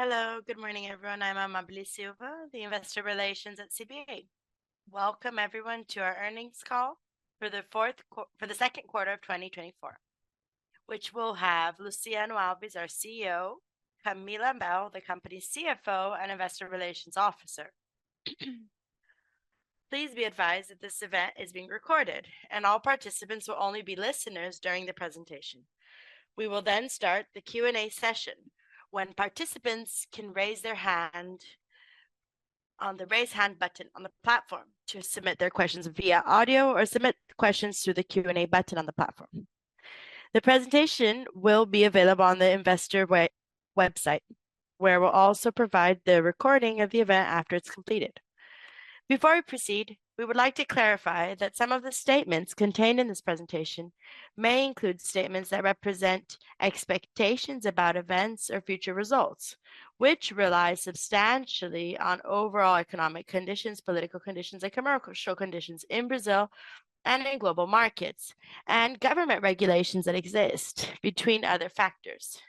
Hello. Good morning, everyone. I'm Amábile Silva, the Investor Relations at CBA. Welcome, everyone, to our earnings call for the second quarter of 2024, which will have Luciano Alves, our CEO, Camila Bello, the company's CFO and Investor Relations Officer. Please be advised that this event is being recorded, and all participants will only be listeners during the presentation. We will then start the Q&A session, when participants can raise their hand on the Raise Hand button on the platform to submit their questions via audio, or submit questions through the Q&A button on the platform. The presentation will be available on the investor website, where we'll also provide the recording of the event after it's completed. Before we proceed, we would like to clarify that some of the statements contained in this presentation may include statements that represent expectations about events or future results, which rely substantially on overall economic conditions, political conditions, and commercial conditions in Brazil and in global markets, and government regulations that exist between other factors.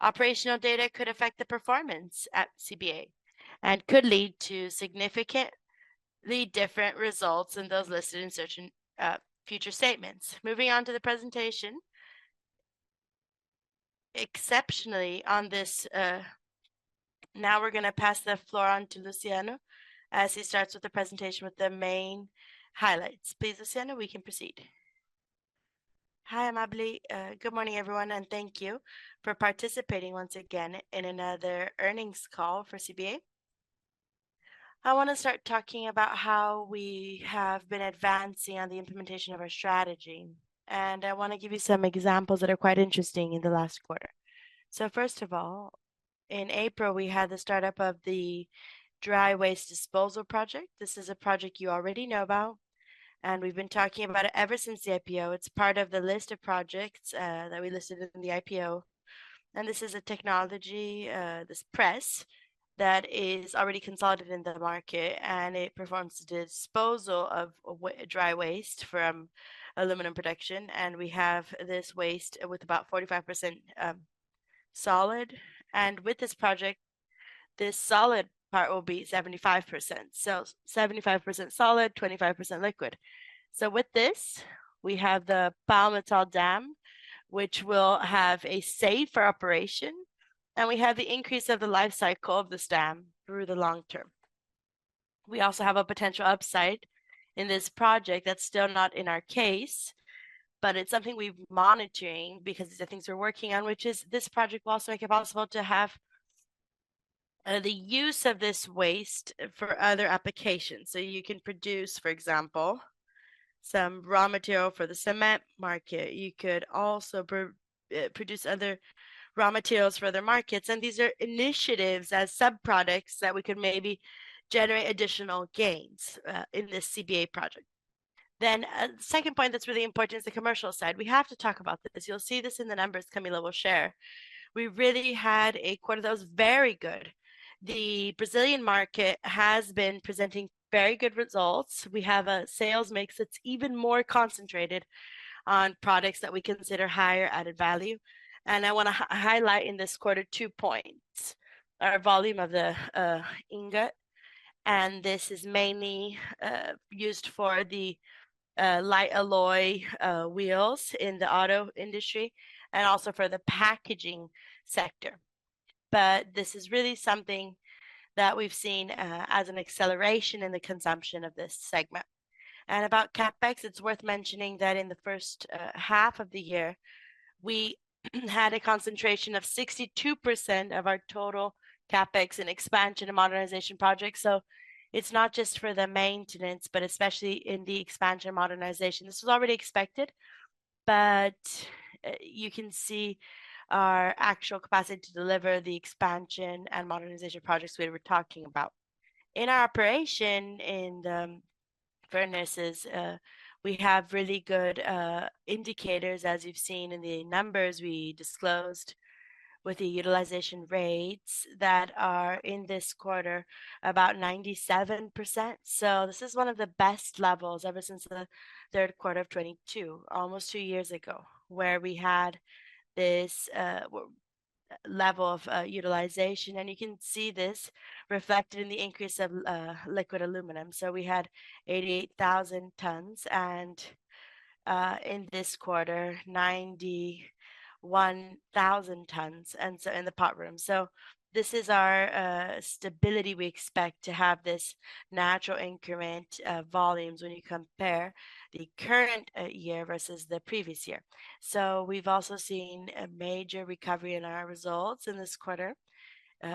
Operational data could affect the performance at CBA and could lead to significantly different results than those listed in such future statements. Moving on to the presentation. Now we're gonna pass the floor on to Luciano as he starts with the presentation with the main highlights. Please, Luciano, we can proceed. Hi, Amábile. Good morning, everyone, and thank you for participating once again in another earnings call for CBA. I wanna start talking about how we have been advancing on the implementation of our strategy, and I wanna give you some examples that are quite interesting in the last quarter. So first of all, in April, we had the startup of the dry waste disposal project. This is a project you already know about, and we've been talking about it ever since the IPO. It's part of the list of projects that we listed in the IPO, and this is a technology, this press, that is already consolidated in the market, and it performs the disposal of dry waste from aluminum production. And we have this waste with about 45% solid, and with this project, this solid part will be 75%. So 75% solid, 25% liquid. So with this, we have the Palmital dam, which will have a safe for operation, and we have the increase of the life cycle of this dam through the long term. We also have a potential upside in this project that's still not in our case, but it's something we've monitoring because the things we're working on, which is this project will also make it possible to have the use of this waste for other applications. So you can produce, for example, some raw material for the cement market. You could also produce other raw materials for other markets, and these are initiatives as subproducts that we could maybe generate additional gains in this CBA project. Then, the second point that's really important is the commercial side. We have to talk about this. You'll see this in the numbers Camila will share. We really had a quarter that was very good. The Brazilian market has been presenting very good results. We have a sales mix that's even more concentrated on products that we consider higher added value. And I wanna highlight in this quarter two points: our volume of the ingot, and this is mainly used for the light alloy wheels in the auto industry, and also for the packaging sector. But this is really something that we've seen as an acceleration in the consumption of this segment. And about CapEx, it's worth mentioning that in the first half of the year, we had a concentration of 62% of our total CapEx in expansion and modernization projects. So it's not just for the maintenance, but especially in the expansion and modernization. This was already expected, but you can see our actual capacity to deliver the expansion and modernization projects we were talking about. In our operation, in the furnaces, we have really good indicators, as you've seen in the numbers we disclosed, with the utilization rates that are, in this quarter, about 97%. So this is one of the best levels ever since the third quarter of 2022, almost two years ago, where we had this level of utilization, and you can see this reflected in the increase of liquid aluminum. So we had 88,000 tons and, in this quarter, 91,000 tons, and so in the pot room. So this is our stability. We expect to have this natural increment of volumes when you compare the current year versus the previous year. So we've also seen a major recovery in our results in this quarter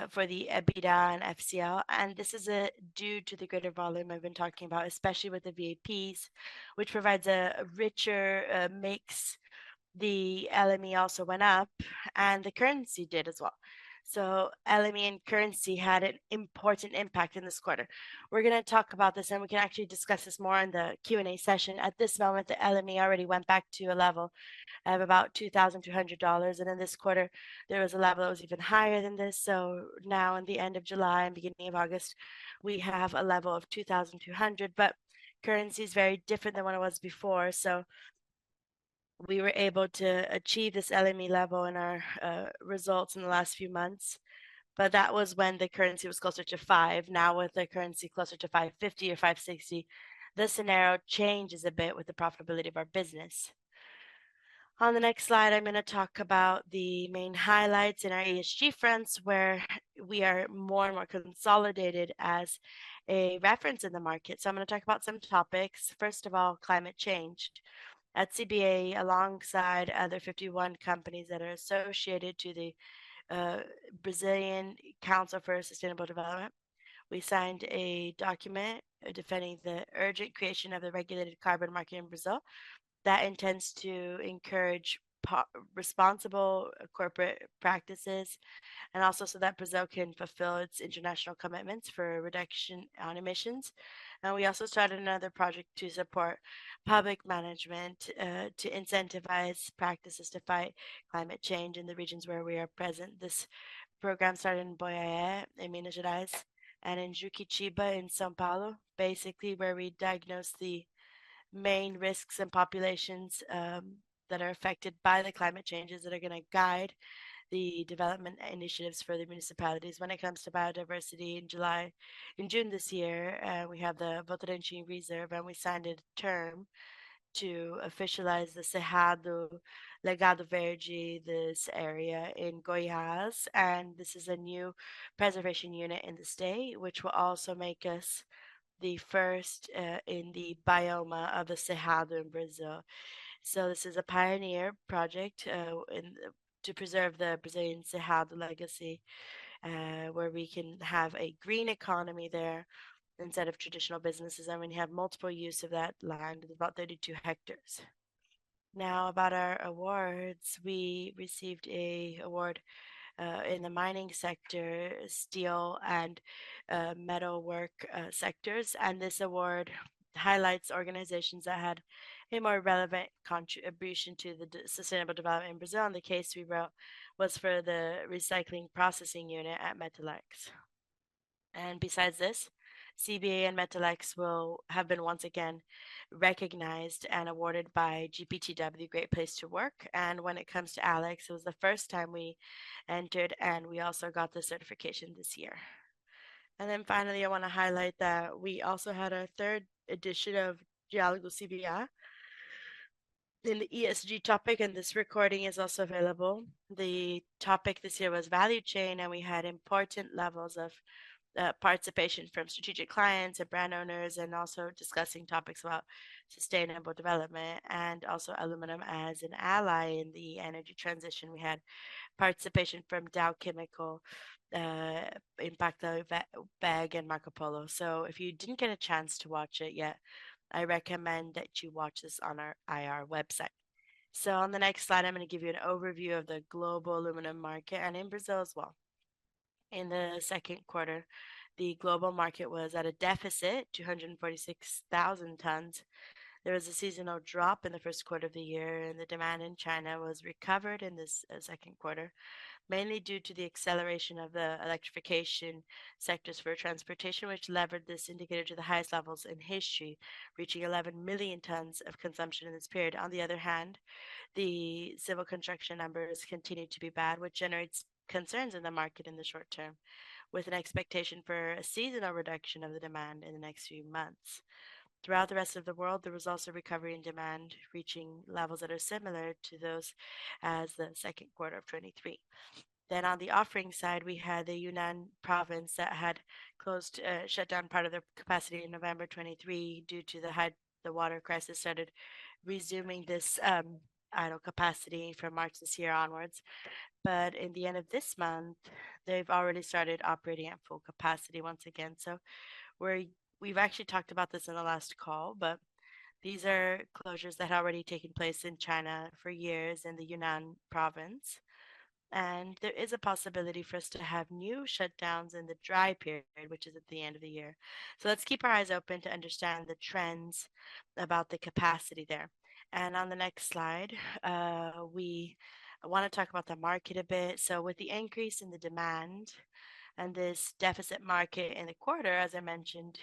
for the EBITDA and FCL, and this is due to the greater volume I've been talking about, especially with the VAPs, which provides a richer mix. The LME also went up, and the currency did as well. So LME and currency had an important impact in this quarter. We're gonna talk about this, and we can actually discuss this more in the Q&A session. At this moment, the LME already went back to a level of about $2,200, and in this quarter, there was a level that was even higher than this. So now, in the end of July and beginning of August, we have a level of $2,200, but currency is very different than what it was before. We were able to achieve this LME level in our results in the last few months, but that was when the currency was closer to $5. Now, with the currency closer to $5.50 or $5.60, the scenario changes a bit with the profitability of our business. On the next slide, I'm gonna talk about the main highlights in our ESG fronts, where we are more and more consolidated as a reference in the market. So I'm gonna talk about some topics. First of all, climate change. At CBA, alongside other 51 companies that are associated to the Brazilian Council for Sustainable Development, we signed a document defending the urgent creation of the regulated carbon market in Brazil, that intends to encourage responsible corporate practices, and also so that Brazil can fulfill its international commitments for reduction on emissions. We also started another project to support public management to incentivize practices to fight climate change in the regions where we are present. This program started in Boiá, in Minas Gerais, and in Juquitiba, in São Paulo, basically where we diagnose the main risks and populations that are affected by the climate changes, that are gonna guide the development initiatives for the municipalities. When it comes to biodiversity in July - in June this year, we had the Botucatu Reserve, and we signed a term to officialize the Cerrado Legado Verde, this area in Goiás, and this is a new preservation unit in the state, which will also make us the first in the biome of the Cerrado in Brazil. So this is a pioneer project intended to preserve the Brazilian Cerrado legacy, where we can have a green economy there instead of traditional businesses, and we have multiple use of that land, about 32 hectares. Now, about our awards. We received an award in the mining sector, steel and metalwork sectors, and this award highlights organizations that had a more relevant contribution to the sustainable development in Brazil, and the case we wrote was for the recycling processing unit at Metalex. And besides this, CBA and Metalex will have been once again recognized and awarded by GPTW, Great Place to Work. And when it comes to Alux, it was the first time we entered, and we also got the certification this year. And then finally, I want to highlight that we also had our third edition of Diálogo CBA in the ESG topic, and this recording is also available. The topic this year was value chain, and we had important levels of participation from strategic clients and brand owners, and also discussing topics about sustainable development and also aluminum as an ally in the energy transition. We had participation from Dow Chemical, Impacto Bag, and Marcopolo. So if you didn't get a chance to watch it yet, I recommend that you watch this on our IR website. So on the next slide, I'm going to give you an overview of the global aluminum market and in Brazil as well. In the second quarter, the global market was at a deficit, $246,000 tons. There was a seasonal drop in the first quarter of the year, and the demand in China was recovered in this second quarter, mainly due to the acceleration of the electrification sectors for transportation, which levered this indicator to the highest levels in history, reaching 11 million tons of consumption in this period. On the other hand, the civil construction numbers continued to be bad, which generates concerns in the market in the short term, with an expectation for a seasonal reduction of the demand in the next few months. Throughout the rest of the world, there was also recovery in demand, reaching levels that are similar to those as the second quarter of 2023. Then on the offering side, we had the Yunnan Province that had closed, shut down part of their capacity in November 2023 due to the high water crisis, started resuming this idle capacity from March this year onwards. But in the end of this month, they've already started operating at full capacity once again. So we've actually talked about this in the last call, but these are closures that had already taken place in China for years in the Yunnan Province, and there is a possibility for us to have new shutdowns in the dry period, which is at the end of the year. So let's keep our eyes open to understand the trends about the capacity there. On the next slide, we want to talk about the market a bit. So with the increase in the demand and this deficit market in the quarter, as I mentioned,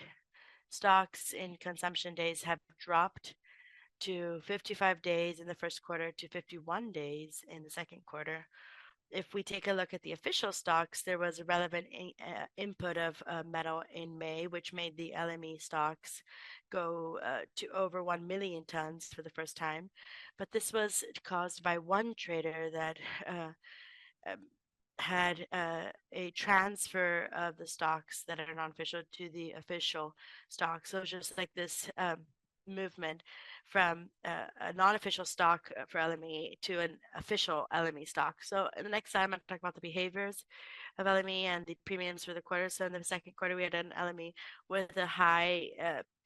stocks in consumption days have dropped to 55 days in the first quarter to 51 days in the second quarter. If we take a look at the official stocks, there was a relevant input of metal in May, which made the LME stocks go to over $1,000,000 tons for the first time. But this was caused by one trader that had a transfer of the stocks that are non-official to the official stocks. So it was just like this movement from a non-official stock for LME to an official LME stock. So in the next slide, I'm going to talk about the behaviors of LME and the premiums for the quarter. So in the second quarter, we had an LME with a high,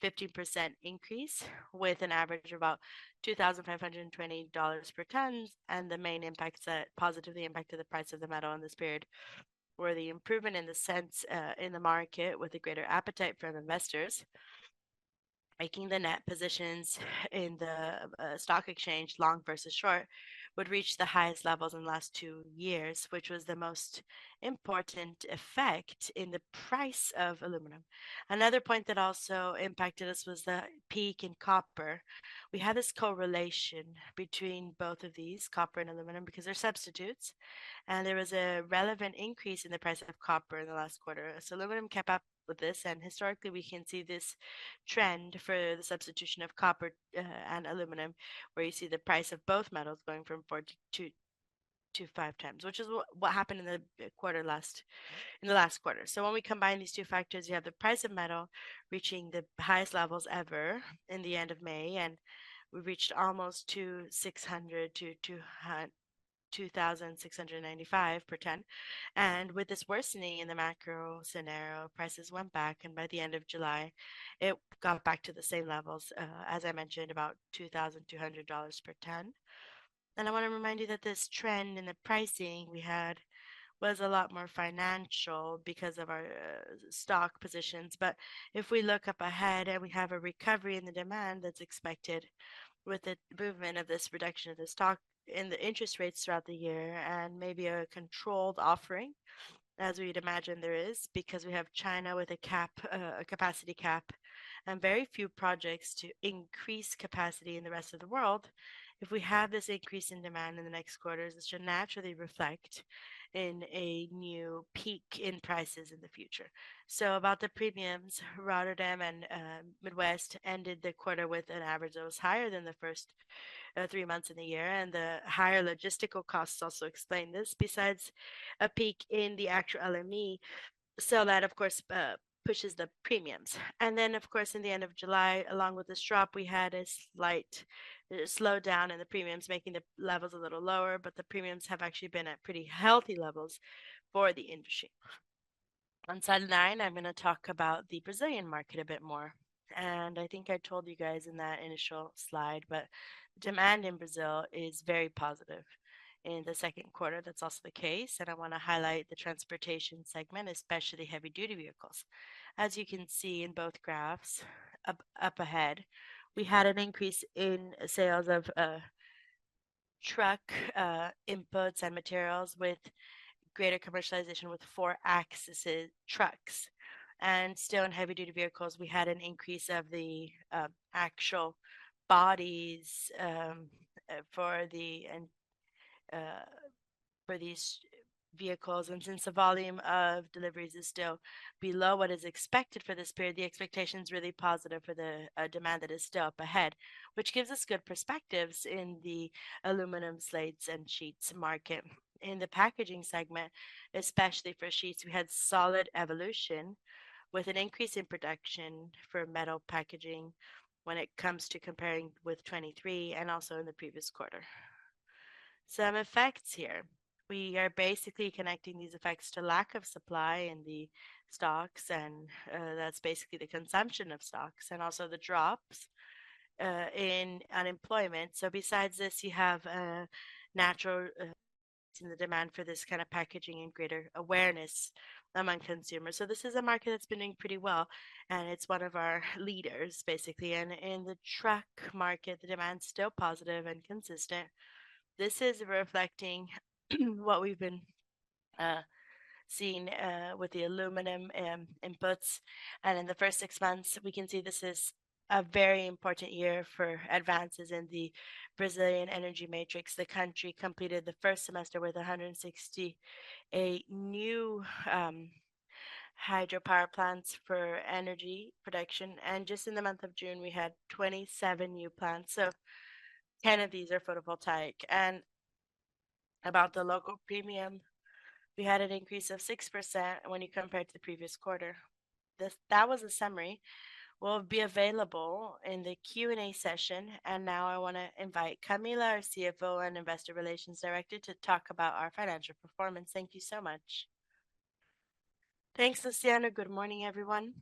50% increase, with an average of about $2,520 per ton. And the main impacts that positively impacted the price of the metal in this period were the improvement in the sense in the market, with a greater appetite from investors making the net positions in the stock exchange long versus short would reach the highest levels in the last two years, which was the most important effect in the price of aluminum. Another point that also impacted us was the peak in copper. We had this correlation between both of these, copper and aluminum, because they're substitutes, and there was a relevant increase in the price of copper in the last quarter. So aluminum kept up with this, and historically, we can see this trend for the substitution of copper and aluminum, where you see the price of both metals going from four to five times, which is what happened in the last quarter. So when we combine these two factors, you have the price of metal reaching the highest levels ever in the end of May, and we reached almost to $600-$2,695 per ton. And with this worsening in the macro scenario, prices went back, and by the end of July, it got back to the same levels, as I mentioned, about $2,200 per ton. And I wanna remind you that this trend in the pricing we had was a lot more financial because of our stock positions. But if we look up ahead and we have a recovery in the demand that's expected with the movement of this reduction of the stock in the interest rates throughout the year, and maybe a controlled offering, as we'd imagine there is, because we have China with a cap, a capacity cap, and very few projects to increase capacity in the rest of the world. If we have this increase in demand in the next quarters, this should naturally reflect in a new peak in prices in the future. So about the premiums, Rotterdam and Midwest ended the quarter with an average that was higher than the first three months in the year, and the higher logistical costs also explained this, besides a peak in the actual LME. So that, of course, pushes the premiums. And then, of course, in the end of July, along with this drop, we had a slight slowdown in the premiums, making the levels a little lower, but the premiums have actually been at pretty healthy levels for the industry. On slide nine, I'm gonna talk about the Brazilian market a bit more, and I think I told you guys in that initial slide, but demand in Brazil is very positive. In the second quarter, that's also the case, and I wanna highlight the transportation segment, especially heavy-duty vehicles. As you can see in both graphs up ahead, we had an increase in sales of truck inputs and materials with greater commercialization with four-axle trucks. And still in heavy-duty vehicles, we had an increase of the actual bodies for these vehicles. And since the volume of deliveries is still below what is expected for this period, the expectation is really positive for the demand that is still up ahead, which gives us good perspectives in the aluminum plates and sheets market. In the packaging segment, especially for sheets, we had solid evolution with an increase in production for metal packaging when it comes to comparing with 2023 and also in the previous quarter. Some effects here. We are basically connecting these effects to lack of supply in the stocks, and, that's basically the consumption of stocks and also the drops in unemployment. So besides this, you have a natural in the demand for this kind of packaging and greater awareness among consumers. So this is a market that's been doing pretty well, and it's one of our leaders, basically. And in the truck market, the demand's still positive and consistent. This is reflecting what we've been seeing with the aluminum inputs. And in the first six months, we can see this is a very important year for advances in the Brazilian Energy Matrix. The country completed the first semester with 168 new hydropower plants for energy production, and just in the month of June, we had 27 new plants, so 10 of these are photovoltaic. About the local premium, we had an increase of 6% when you compare it to the previous quarter. That was a summary. We'll be available in the Q&A session, and now I wanna invite Camila, our CFO and Investor Relations Director, to talk about our financial performance. Thank you so much. Thanks, Luciano. Good morning, everyone.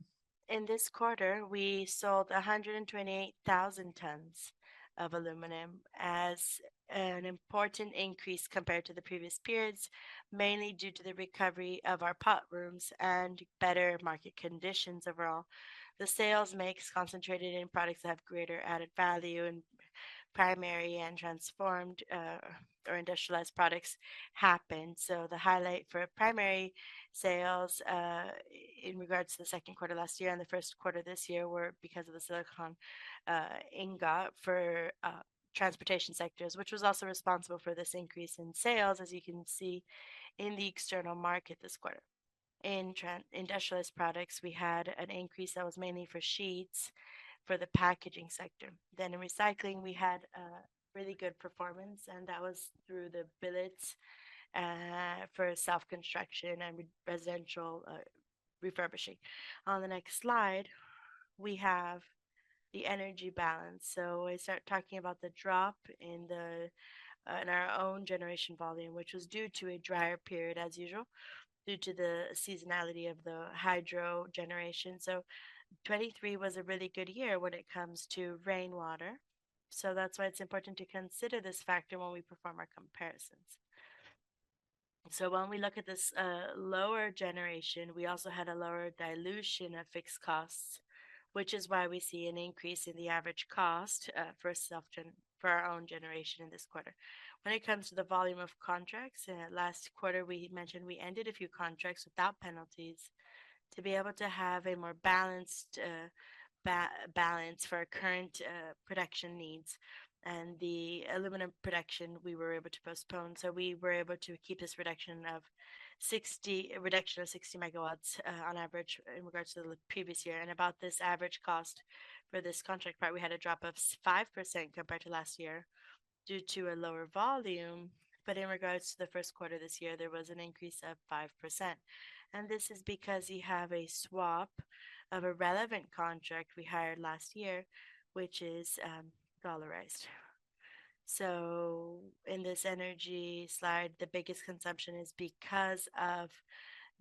In this quarter, we sold $128,000 tons of aluminum as an important increase compared to the previous periods, mainly due to the recovery of our pot rooms and better market conditions overall. The sales mix concentrated in products that have greater added value, and primary and transformed, or industrialized products happened. So the highlight for primary sales, in regards to the second quarter last year and the first quarter this year, were because of the silicon ingot for transportation sectors, which was also responsible for this increase in sales, as you can see in the external market this quarter. In industrialized products, we had an increase that was mainly for sheets for the packaging sector. Then in recycling, we had a really good performance, and that was through the billets for self-construction and residential refurbishing. On the next slide, we have the energy balance. So I start talking about the drop in our own generation volume, which was due to a drier period as usual, due to the seasonality of the hydro generation. So 2023 was a really good year when it comes to rainwater, so that's why it's important to consider this factor when we perform our comparisons. So when we look at this, lower generation, we also had a lower dilution of fixed costs, which is why we see an increase in the average cost, for self-generation—for our own generation in this quarter. When it comes to the volume of contracts, last quarter, we mentioned we ended a few contracts without penalties to be able to have a more balanced, balance for our current, production needs. And the aluminum production, we were able to postpone, so we were able to keep this reduction of 60—a reduction of 60 MWh, on average, in regards to the previous year. About this average cost for this contract part, we had a drop of 5% compared to last year due to a lower volume. But in regards to the first quarter this year, there was an increase of 5%, and this is because you have a swap of a relevant contract we hired last year, which is dollarized. So in this energy slide, the biggest consumption is because of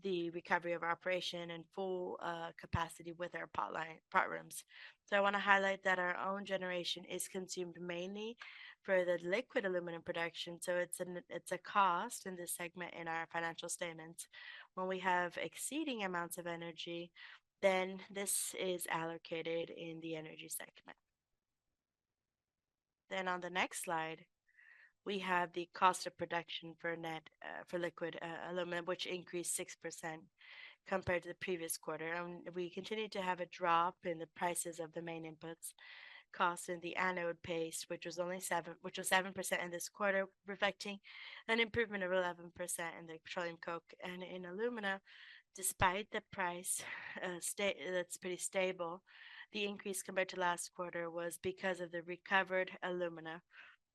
the recovery of operation and full capacity with our pot rooms. So I wanna highlight that our own generation is consumed mainly for the liquid aluminum production, so it's a cost in this segment in our financial statements. When we have exceeding amounts of energy, then this is allocated in the energy segment. Then on the next slide, we have the cost of production for net for liquid aluminum, which increased 6% compared to the previous quarter. We continued to have a drop in the prices of the main inputs. Costs in the anode paste, which was only 7% in this quarter, reflecting an improvement of 11% in the petroleum coke and in alumina. Despite the price that's pretty stable, the increase compared to last quarter was because of the recovered alumina,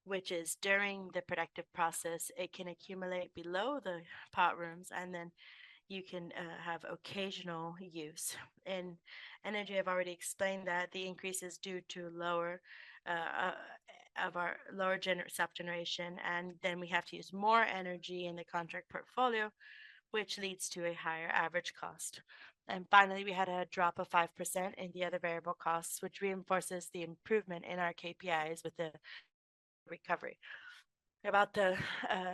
which is during the productive process, it can accumulate below the pot rooms, and then you can have occasional use. In energy, I've already explained that the increase is due to lower self-generation, and then we have to use more energy in the contract portfolio, which leads to a higher average cost. And finally, we had a drop of 5% in the other variable costs, which reinforces the improvement in our KPIs with the recovery. About the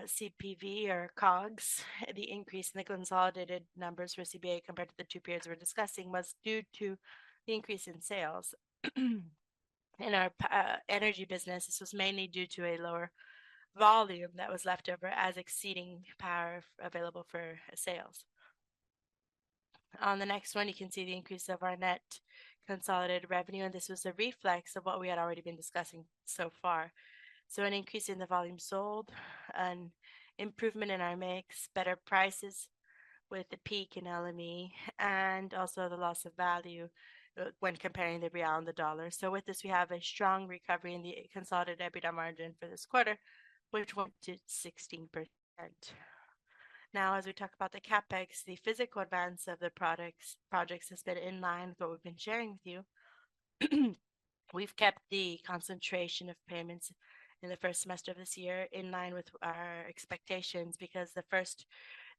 CPV or COGS, the increase in the consolidated numbers for CBA compared to the two periods we're discussing was due to the increase in sales. In our energy business, this was mainly due to a lower volume that was left over as exceeding power available for sales. On the next one, you can see the increase of our net consolidated revenue, and this was a reflection of what we had already been discussing so far. So an increase in the volume sold, an improvement in our mix, better prices with the peak in LME, and also the loss of value when comparing the Brazilian real and the U.S. dollar. So with this, we have a strong recovery in the consolidated EBITDA margin for this quarter, which went to 16%. Now, as we talk about the CapEx, the physical advance of the products, projects has been in line with what we've been sharing with you. We've kept the concentration of payments in the first semester of this year in line with our expectations, because the first,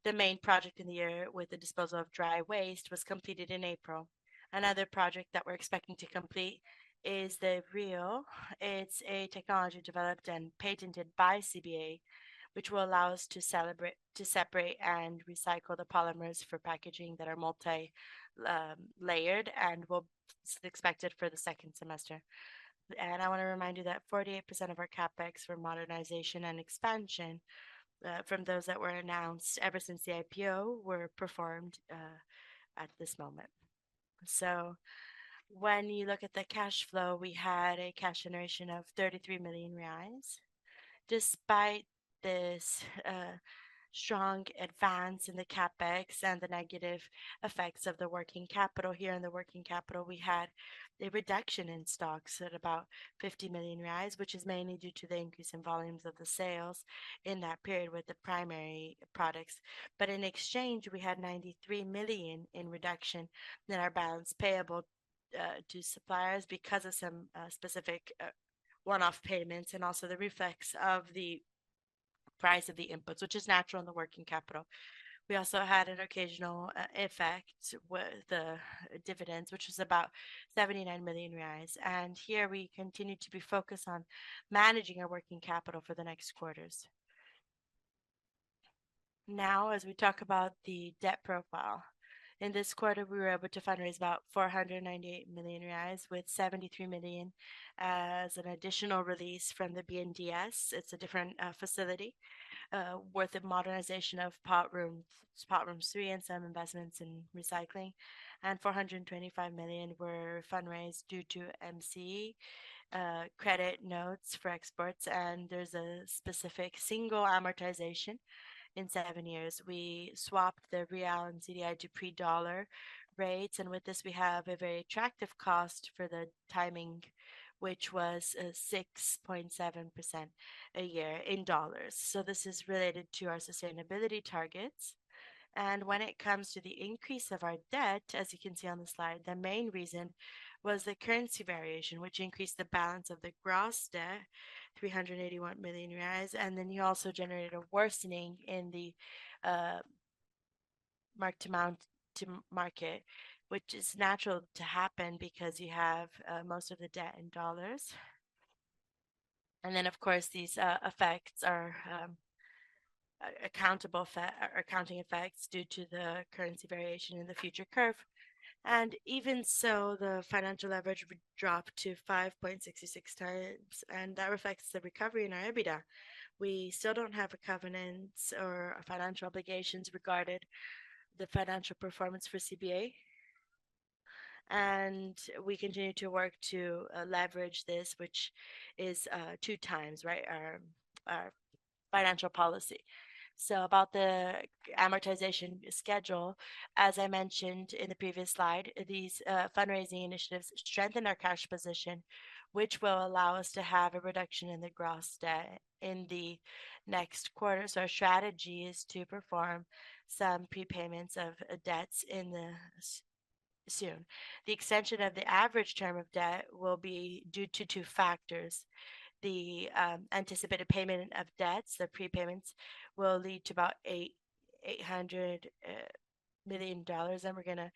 the main project in the year with the disposal of dry waste, was completed in April. Another project that we're expecting to complete is the Rio. It's a technology developed and patented by CBA, which will allow us to separate and recycle the polymers for packaging that are multi-layered, and we'll expect it for the second semester. And I want to remind you that 48% of our CapEx for modernization and expansion, from those that were announced ever since the IPO, were performed at this moment. So when you look at the cash flow, we had a cash generation of 33 million reais. Despite this, strong advance in the CapEx and the negative effects of the working capital here, in the working capital, we had a reduction in stocks at about 50 million reais, which is mainly due to the increase in volumes of the sales in that period with the primary products. But in exchange, we had 93 million in reduction in our balance payable to suppliers because of some specific, one-off payments, and also the reflex of the price of the inputs, which is natural in the working capital. We also had an occasional effect with the dividends, which was about 79 million reais, and here we continue to be focused on managing our working capital for the next quarters. Now, as we talk about the debt profile, in this quarter, we were able to fundraise about 498 million reais, with 73 million as an additional release from the BNDES. It's a different facility worth of modernization of pot rooms, Pot Room three, and some investments in recycling. And 425 million were fundraised due to MCE credit notes for exports, and there's a specific single amortization in seven years. We swapped the real and CDI to pre-dollar rates, and with this, we have a very attractive cost for the timing, which was 6.7% a year in dollars. So this is related to our sustainability targets. When it comes to the increase of our debt, as you can see on the slide, the main reason was the currency variation, which increased the balance of the gross debt 381 million reais, and then you also generated a worsening in the marked to market, which is natural to happen because you have most of the debt in dollars. And then, of course, these effects are accounting effects due to the currency variation in the future curve. And even so, the financial leverage would drop to 5.66x, and that reflects the recovery in our EBITDA. We still don't have covenants or financial obligations regarding the financial performance for CBA, and we continue to work to leverage this, which is 2x. Our financial policy. So about the amortization schedule, as I mentioned in the previous slide, these fundraising initiatives strengthen our cash position, which will allow us to have a reduction in the gross debt in the next quarter. So our strategy is to perform some prepayments of debts in the soon. The extension of the average term of debt will be due to two factors: the anticipated payment of debts. The prepayments will lead to about $800 million, and we're gonna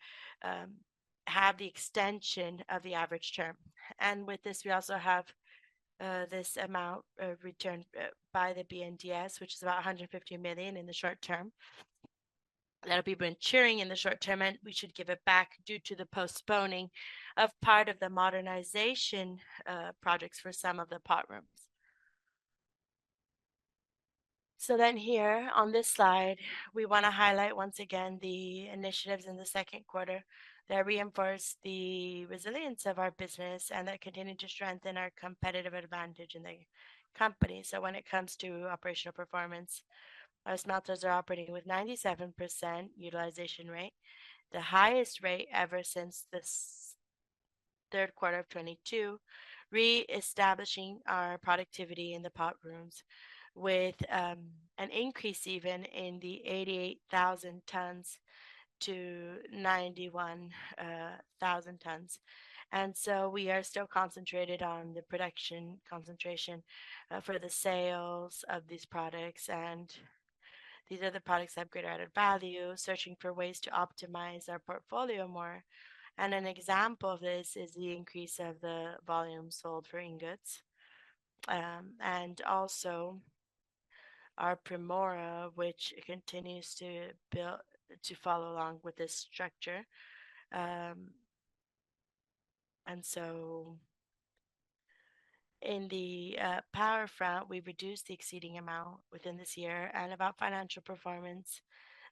have the extension of the average term. And with this, we also have this amount returned by the BNDES, which is about $150 million in the short term. That'll be maturing in the short term, and we should give it back due to the postponing of part of the modernization projects for some of the pot rooms. So here on this slide, we wanna highlight once again the initiatives in the second quarter that reinforce the resilience of our business and that continue to strengthen our competitive advantage in the company. So when it comes to operational performance, our smelters are operating with 97% utilization rate, the highest rate ever since the third quarter of 2022, reestablishing our productivity in the pot rooms with an increase even in the $88,000 tons to $91,000 tons. And so we are still concentrated on the production concentration for the sales of these products, and these are the products that have greater added value, searching for ways to optimize our portfolio more. An example of this is the increase of the volume sold for ingots, and also our Primora, which continues to follow along with this structure. In the power front, we've reduced the exceeding amount within this year. About financial performance,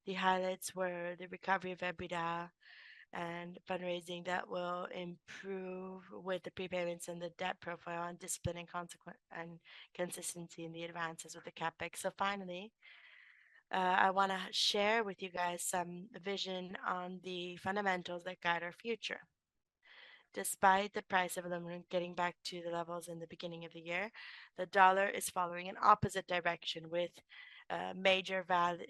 the highlights were the recovery of EBITDA and fundraising that will improve with the prepayments and the debt profile on discipline and consequence, and consistency in the advances of the CapEx. Finally, I wanna share with you guys some vision on the fundamentals that guide our future. Despite the price of aluminum getting back to the levels in the beginning of the year, the dollar is following an opposite direction with major valorization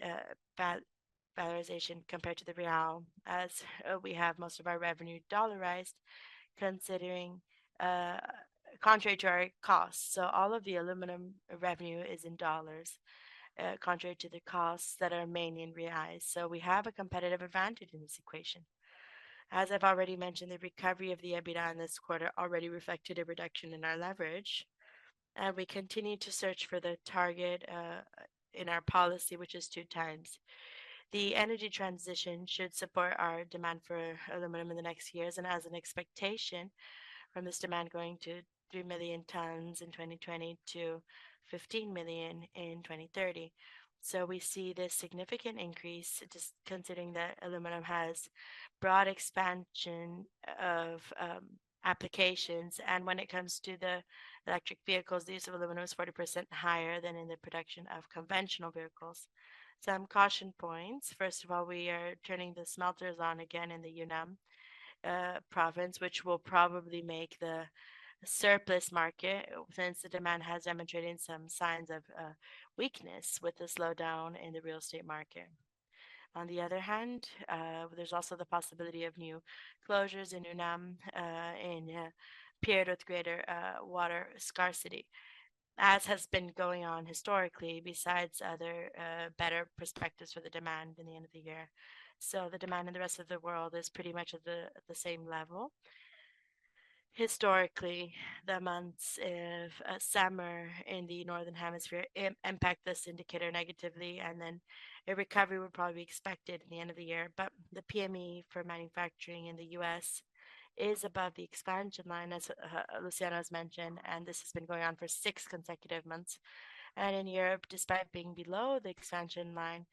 compared to the real, as we have most of our revenue dollarized, considering contrary to our costs. So all of the aluminum revenue is in dollars, contrary to the costs that are mainly in reais. We have a competitive advantage in this equation. As I've already mentioned, the recovery of the EBITDA in this quarter already reflected a reduction in our leverage, and we continue to search for the target, in our policy, which is 2x. The energy transition should support our demand for aluminum in the next years, and as an expectation from this demand going to $3 million tons in 2020 to $15 million in 2030. We see this significant increase just considering that aluminum has broad expansion of, applications, and when it comes to the electric vehicles, the use of aluminum is 40% higher than in the production of conventional vehicles. Some caution points. First of all, we are turning the smelters on again in the Yunnan Province, which will probably make the surplus market, since the demand has demonstrated some signs of weakness with the slowdown in the real estate market. On the other hand, there's also the possibility of new closures in Yunnan in a period with greater water scarcity, as has been going on historically, besides other better perspectives for the demand in the end of the year. So the demand in the rest of the world is pretty much at the same level. Historically, the months of summer in the northern hemisphere impact this indicator negatively, and then a recovery would probably be expected in the end of the year. But the PMI for manufacturing in the U.S. is above the expansion line, as Luciano has mentioned, and this has been going on for six consecutive months. And in Europe, despite being below the expansion line,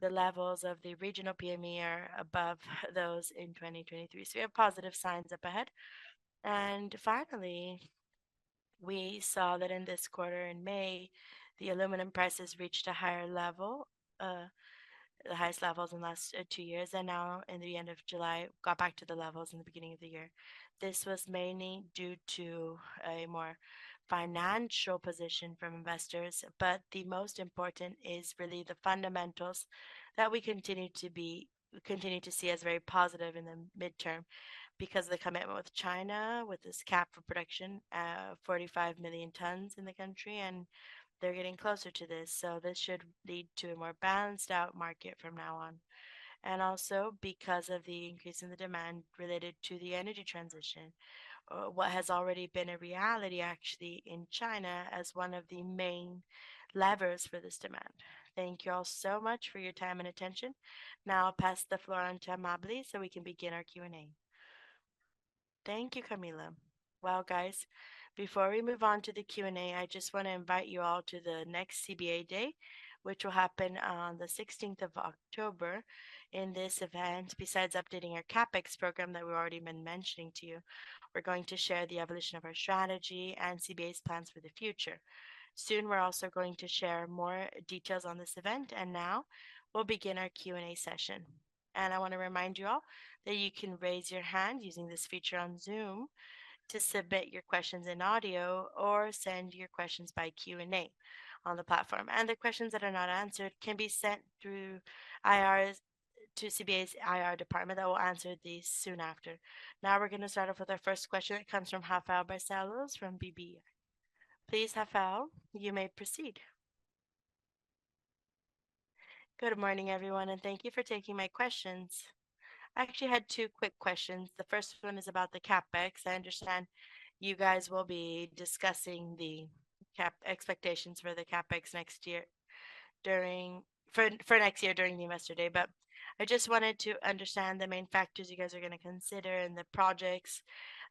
the levels of the regional PMI are above those in 2023. So we have positive signs up ahead. And finally, we saw that in this quarter, in May, the aluminum prices reached a higher level, the highest levels in the last two years, and now in the end of July, got back to the levels in the beginning of the year. This was mainly due to a more financial position from investors, but the most important is really the fundamentals that we continue to see as very positive in the midterm, because of the commitment with China, with this cap for production, $45 million tons in the country, and they're getting closer to this. So this should lead to a more balanced out market from now on. And also because of the increase in the demand related to the energy transition, what has already been a reality actually in China as one of the main levers for this demand. Thank you all so much for your time and attention. Now I'll pass the floor on to Amábile, so we can begin our Q&A. Thank you, Camila. Well, guys, before we move on to the Q&A, I just wanna invite you all to the next CBA Day, which will happen on the 16th of October. In this event, besides updating our CapEx program that we've already been mentioning to you, we're going to share the evolution of our strategy and CBA's plans for the future. Soon, we're also going to share more details on this event, and now we'll begin our Q&A session. And I wanna remind you all that you can raise your hand using this feature on Zoom to submit your questions in audio or send your questions by Q&A on the platform. And the questions that are not answered can be sent through IR to CBA's IR department, that will answer these soon after. Now, we're gonna start off with our first question. It comes from Rafael Barcelos from BB. Please, Rafael, you may proceed. Good morning, everyone, and thank you for taking my questions. I actually had two quick questions. The first one is about the CapEx. I understand you guys will be discussing the CapEx expectations for the CapEx next year during the Investor Day. But I just wanted to understand the main factors you guys are gonna consider in the projects,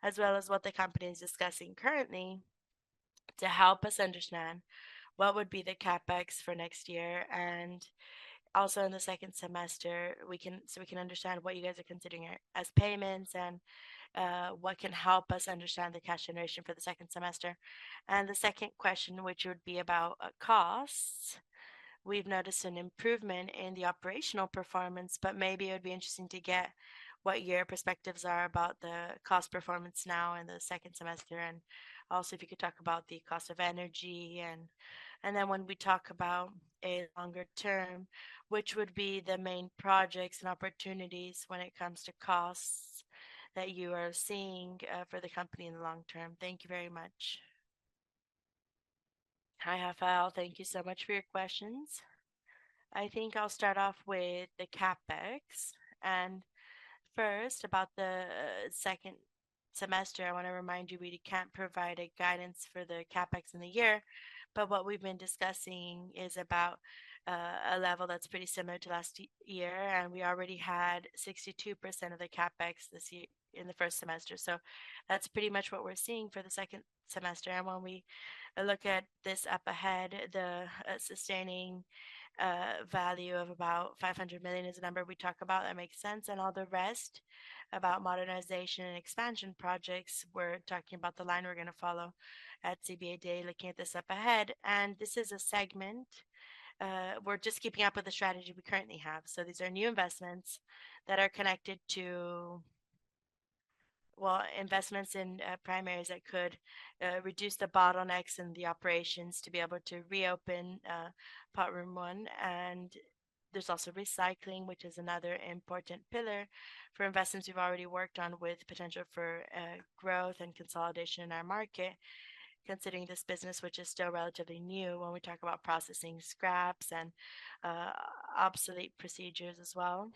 as well as what the company is discussing currently, to help us understand what would be the CapEx for next year. And also in the second semester, so we can understand what you guys are considering as payments and what can help us understand the cash generation for the second semester. And the second question, which would be about costs. We've noticed an improvement in the operational performance, but maybe it would be interesting to get what your perspectives are about the cost performance now in the second semester, and also if you could talk about the cost of energy. And then when we talk about a longer term, which would be the main projects and opportunities when it comes to costs that you are seeing, for the company in the long term? Thank you very much. Hi, Rafael. Thank you so much for your questions. I think I'll start off with the CapEx, and first, about the second semester, I wanna remind you, we can't provide a guidance for the CapEx in the year, but what we've been discussing is about a level that's pretty similar to last year, and we already had 62% of the CapEx this year in the first semester. So that's pretty much what we're seeing for the second semester. And when we look at this up ahead, the sustaining value of about 500 million is the number we talk about. That makes sense. And all the rest about modernization and expansion projects, we're talking about the line we're gonna follow at CBA Day, looking at this up ahead. And this is a segment we're just keeping up with the strategy we currently have. So these are new investments that are connected to... Well, investments in primaries that could reduce the bottlenecks in the operations to be able to reopen Pot Room One. There's also recycling, which is another important pillar for investments we've already worked on with potential for growth and consolidation in our market, considering this business, which is still relatively new, when we talk about processing scraps and obsolete procedures as well.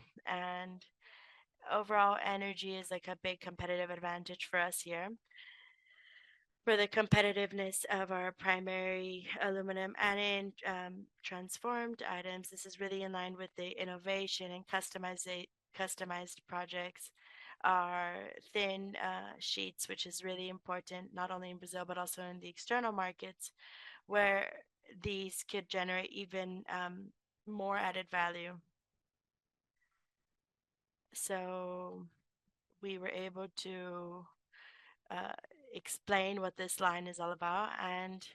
Overall, energy is, like, a big competitive advantage for us here. For the competitiveness of our primary aluminum and in transformed items, this is really in line with the innovation and customize, customized projects are thin sheets, which is really important, not only in Brazil, but also in the external markets, where these could generate even more added value. So we were able to explain what this line is all about, and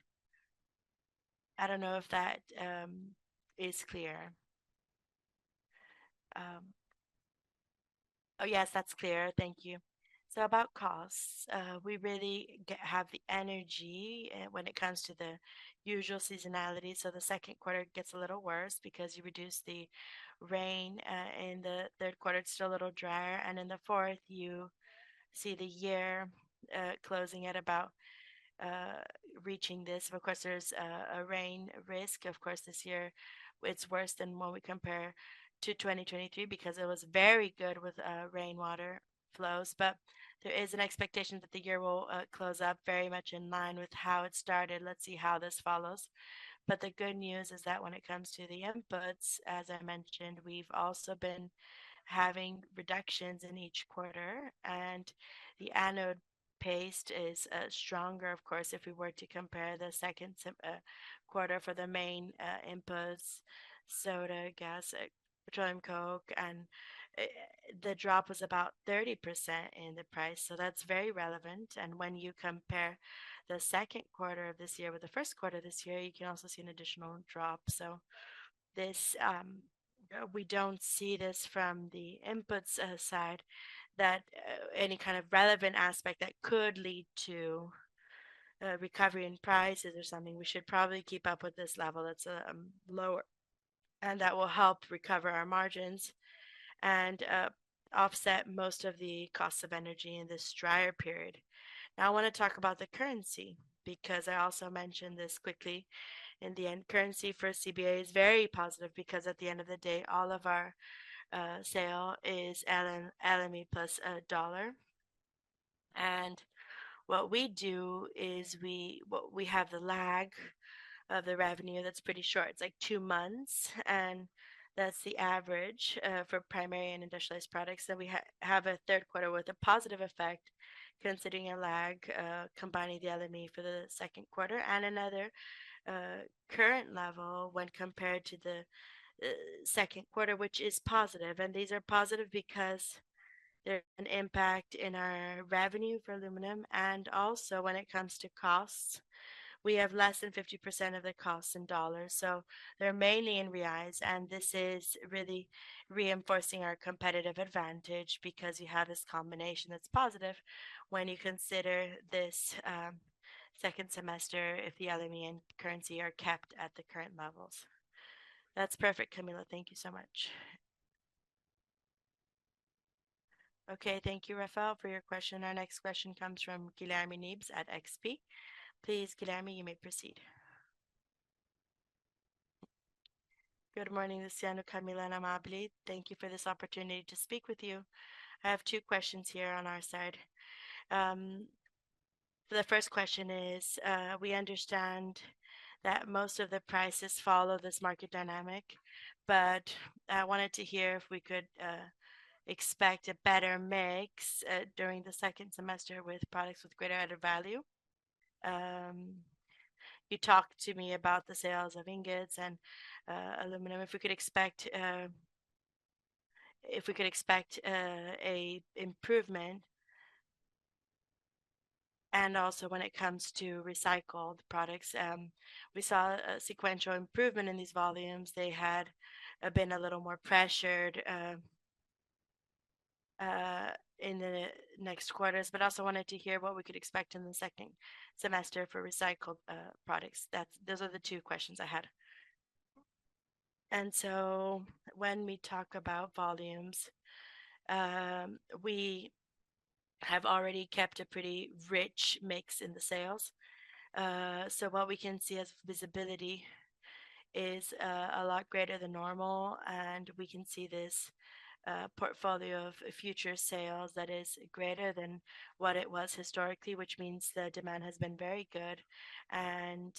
I don't know if that is clear. Oh, yes, that's clear. Thank you. So about costs, we really have the energy, when it comes to the usual seasonality. So the second quarter gets a little worse because you reduce the rain, and the third quarter, it's still a little drier, and in the fourth, you see the year closing at about reaching this. Of course, there's a rain risk. Of course, this year, it's worse than when we compare to 2023 because it was very good with rainwater flows. But there is an expectation that the year will close up very much in line with how it started. Let's see how this follows. But the good news is that when it comes to the inputs, as I mentioned, we've also been having reductions in each quarter, and the anode paste is stronger. Of course, if we were to compare the second quarter for the main inputs, soda, gas, petroleum coke, and the drop was about 30% in the price, so that's very relevant. And when you compare the second quarter of this year with the first quarter this year, you can also see an additional drop. So this... We don't see this from the inputs side, that any kind of relevant aspect that could lead to a recovery in prices or something. We should probably keep up with this level that's lower, and that will help recover our margins and offset most of the costs of energy in this drier period. Now, I wanna talk about the currency, because I also mentioned this quickly. In the end, currency for CBA is very positive because at the end of the day, all of our sale is aluminum plus dollar, and what we do is we what we have the lag of the revenue that's pretty short. It's like two months, and that's the average for primary and industrialized products. Then we have a third quarter with a positive effect, considering a lag, combining the LME for the second quarter and another current level when compared to the second quarter, which is positive. These are positive because there's an impact in our revenue for aluminum, and also when it comes to costs, we have less than 50% of the costs in dollars, so they're mainly in reais, and this is really reinforcing our competitive advantage because you have this combination that's positive when you consider this, second semester, if the LME and currency are kept at the current levels. That's perfect, Camila. Thank you so much. Okay, thank you, Rafael, for your question. Our next question comes from Guilherme Nippes at XP. Please, Guilherme, you may proceed. Good morning, Luciano, Camila, and Amábile. Thank you for this opportunity to speak with you. I have two questions here on our side. The first question is, we understand that most of the prices follow this market dynamic, but I wanted to hear if we could expect a better mix during the second semester with products with greater added value. You talked to me about the sales of ingots and aluminum, if we could expect an improvement. And also, when it comes to recycled products, we saw a sequential improvement in these volumes. They had been a little more pressured in the next quarters, but also wanted to hear what we could expect in the second semester for recycled products. That's. Those are the two questions I had. And so when we talk about volumes, we have already kept a pretty rich mix in the sales. So what we can see as visibility is, a lot greater than normal, and we can see this, portfolio of future sales that is greater than what it was historically, which means the demand has been very good. And,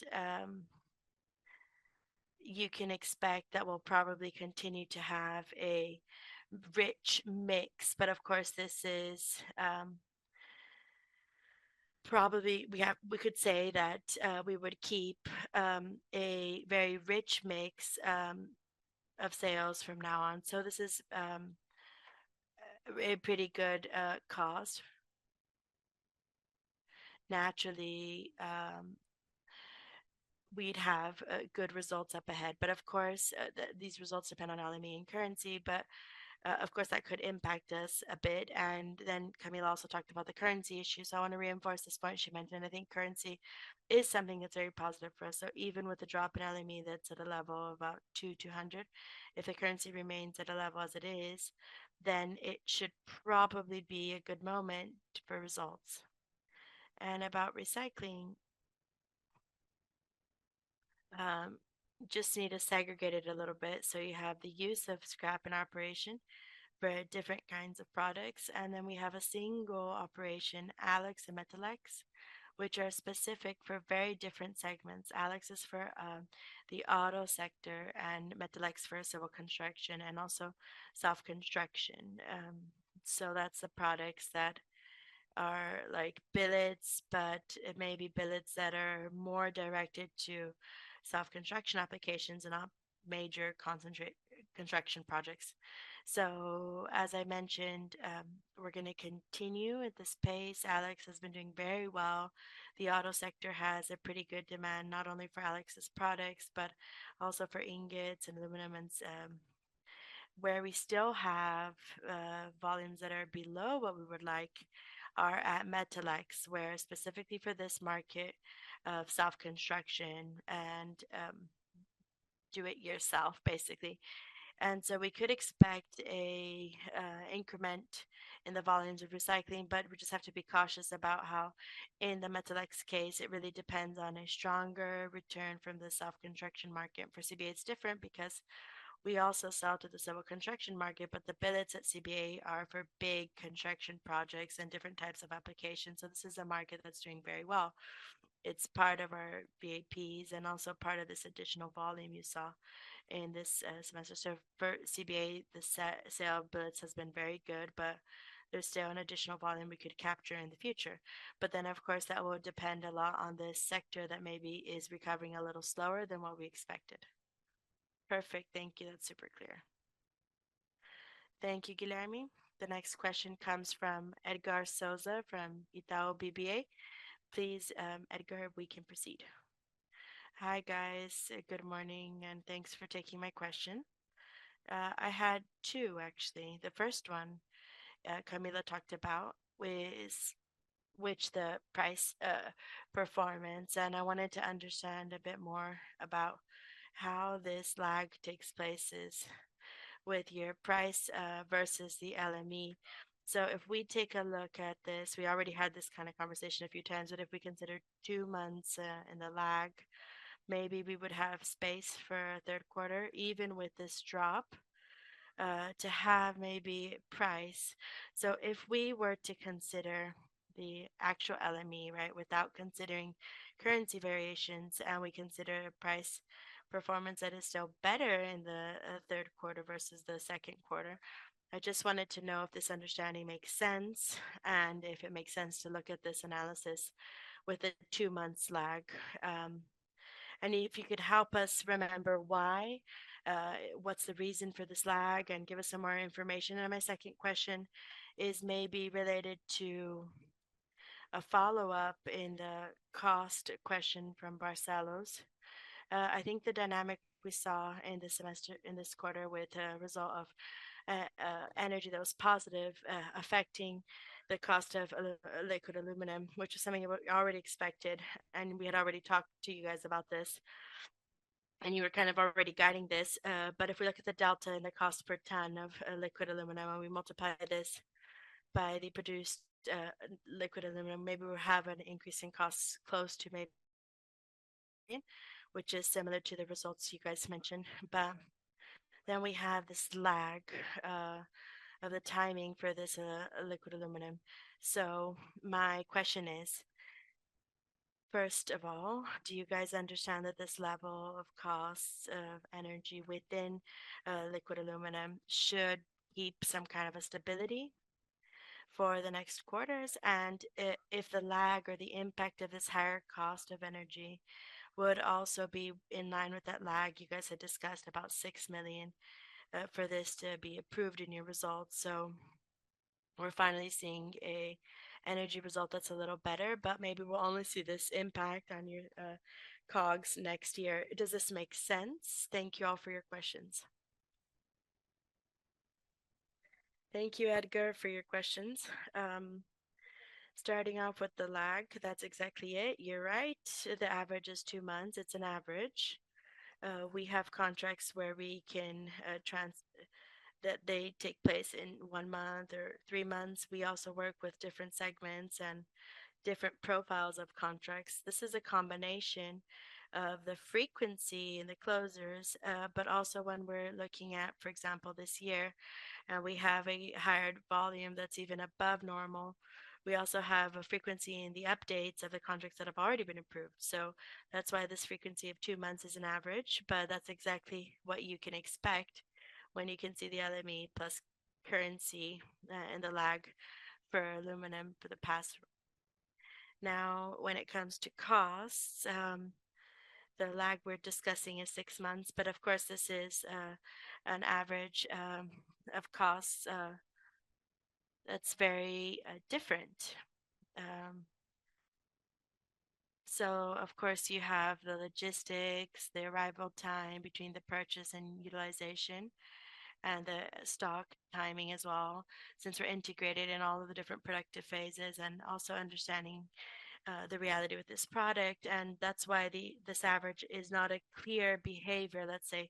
you can expect that we'll probably continue to have a rich mix. But of course, this is, probably we could say that, we would keep, a very rich mix, of sales from now on. So this is, a pretty good, cause. Naturally, we'd have, good results up ahead, but of course, the, these results depend on LME and currency, but, of course, that could impact us a bit. And then Camilla also talked about the currency issue, so I wanna reinforce this point she mentioned. I think currency is something that's very positive for us. So even with the drop in LME, that's at a level of about 200. If the currency remains at a level as it is, then it should probably be a good moment for results. And about recycling, just need to segregate it a little bit. So you have the use of scrap and operation for different kinds of products, and then we have a single operation, Alux and Metalex, which are specific for very different segments. Alux is for the auto sector and Metalex for civil construction and also self-construction. So that's the products that are like billets, but it may be billets that are more directed to self-construction applications and not major construction projects. So as I mentioned, we're gonna continue at this pace. Alux has been doing very well. The auto sector has a pretty good demand, not only for Alux's products, but also for ingots and aluminum. Where we still have volumes that are below what we would like are at Metalex, where specifically for this market of self-construction and do it yourself, basically. So we could expect a increment in the volumes of recycling, but we just have to be cautious about how, in the Metalex case, it really depends on a stronger return from the self-construction market. For CBA, it's different because we also sell to the civil construction market, but the billets at CBA are for big construction projects and different types of applications, so this is a market that's doing very well. It's part of our VAPs and also part of this additional volume you saw in this semester. So for CBA, the sale of billets has been very good, but there's still an additional volume we could capture in the future. But then, of course, that will depend a lot on the sector that maybe is recovering a little slower than what we expected. Perfect. Thank you. That's super clear. Thank you, Guilherme. The next question comes from Edgard Souza from Itaú BBA. Please, Edgard, we can proceed. Hi, guys. Good morning, and thanks for taking my question. I had two, actually. The first one, Camila talked about was the price performance, and I wanted to understand a bit more about how this lag takes place with your price versus the LME. So if we take a look at this, we already had this kind of conversation a few times, but if we consider two months in the lag, maybe we would have space for a third quarter, even with this drop? to have maybe price. So if we were to consider the actual LME, right, without considering currency variations, and we consider price performance, that is still better in the third quarter versus the second quarter. I just wanted to know if this understanding makes sense and if it makes sense to look at this analysis with a two-month lag, and if you could help us remember why, what's the reason for this lag, and give us some more information. My second question is maybe related to a follow-up in the cost question from Barcelos. I think the dynamic we saw in this quarter with a result of energy that was positive, affecting the cost of liquid aluminum, which is something we already expected, and we had already talked to you guys about this, and you were kind of already guiding this. But if we look at the delta and the cost per ton of liquid aluminum, and we multiply this by the produced liquid aluminum, maybe we have an increase in costs close to maybe, which is similar to the results you guys mentioned. But then we have this lag of the timing for this liquid aluminum. So my question is, first of all, do you guys understand that this level of costs of energy within liquid aluminum should keep some kind of a stability for the next quarters? If the lag or the impact of this higher cost of energy would also be in line with that lag, you guys had discussed about 6 million for this to be approved in your results. So we're finally seeing an energy result that's a little better, but maybe we'll only see this impact on your COGS next year. Does this make sense? Thank you all for your questions. Thank you, Edgar, for your questions. Starting off with the lag, that's exactly it. You're right, the average is two months. It's an average. We have contracts where we can that they take place in one month or three months. We also work with different segments and different profiles of contracts. This is a combination of the frequency and the closures, but also when we're looking at, for example, this year, we have a higher volume that's even above normal. We also have a frequency in the updates of the contracts that have already been approved, so that's why this frequency of two months is an average. But that's exactly what you can expect when you can see the LME plus currency, and the lag for aluminum for the past. Now, when it comes to costs, the lag we're discussing is six months, but of course, this is an average of costs that's very different. So of course, you have the logistics, the arrival time between the purchase and utilization, and the stock timing as well, since we're integrated in all of the different productive phases, and also understanding the reality with this product. And that's why this average is not a clear behavior, let's say,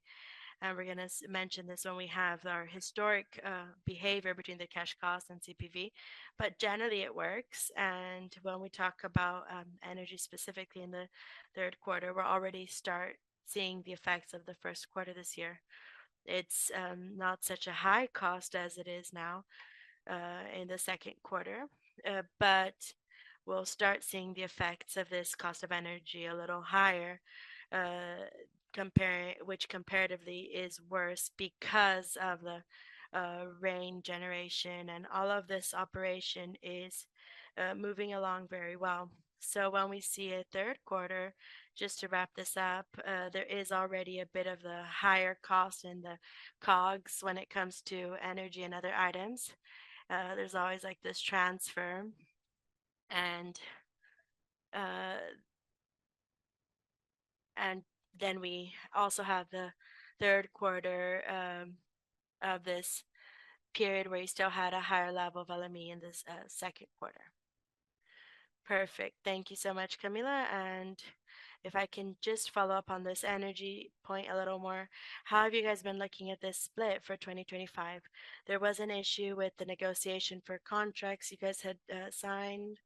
and we're gonna mention this when we have our historic behavior between the cash costs and CPV. But generally, it works, and when we talk about energy specifically in the third quarter, we're already start seeing the effects of the first quarter this year. It's not such a high cost as it is now in the second quarter. But we'll start seeing the effects of this cost of energy a little higher, comparing—which comparatively is worse because of the rain generation, and all of this operation is moving along very well. So when we see a third quarter, just to wrap this up, there is already a bit of the higher cost in the COGS when it comes to energy and other items. There's always, like, this transfer and then we also have the third quarter of this period, where you still had a higher level of LME in this second quarter. Perfect. Thank you so much, Camila. And if I can just follow up on this energy point a little more, how have you guys been looking at this split for 2025? There was an issue with the negotiation for contracts you guys had signed.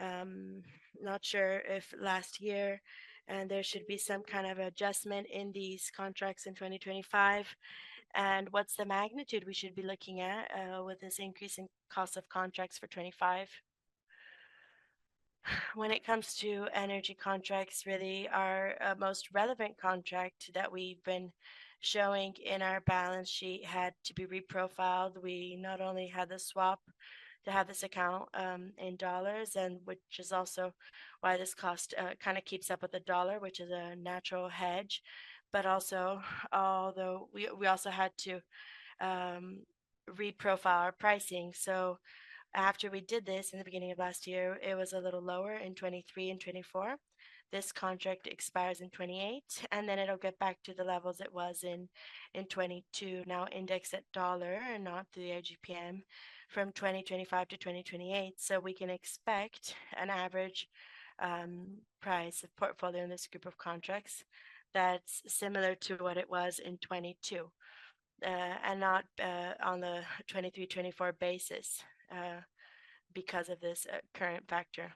Not sure if last year, and there should be some kind of adjustment in these contracts in 2025. What's the magnitude we should be looking at with this increase in cost of contracts for 25? When it comes to energy contracts, really, our most relevant contract that we've been showing in our balance sheet had to be reprofiled. We not only had the swap to have this account in dollars, and which is also why this cost kind of keeps up with the dollar, which is a natural hedge. But also, although we, we also had to reprofile our pricing. After we did this in the beginning of last year, it was a little lower in 2023 and 2024. This contract expires in 2028, and then it'll get back to the levels it was in, in 2022, now indexed at dollar and not the IGP-M, from 2025 to 2028. So we can expect an average price of portfolio in this group of contracts that's similar to what it was in 2022, and not on the 2023/2024 basis, because of this current factor.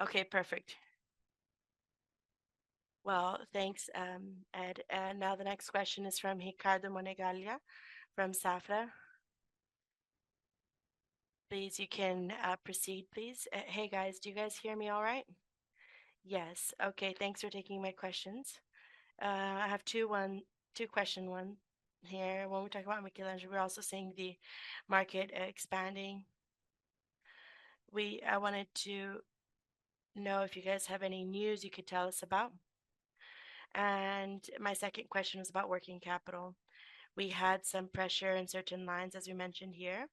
Okay, perfect. Well, thanks, Ed. And now the next question is from Ricardo Monegaglia from Safra. Please, you can proceed, please. Hey, guys. Do you guys hear me all right? Yes. Okay, thanks for taking my questions. I have two questions, one here. When we talk about nickel, we're also seeing the market expanding. I wanted to know if you guys have any news you could tell us about. My second question is about working capital. We had some pressure in certain lines, as we mentioned here,